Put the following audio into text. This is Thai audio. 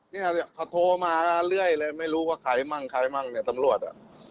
เขาโทรมาเรื่อยเลยไม่รู้ว่าใครมั่งตำรวจ